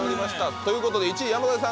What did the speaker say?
ということで１位山添さん